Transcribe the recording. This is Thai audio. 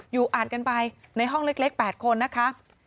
อ่านกันไปในห้องเล็ก๘คนนะคะ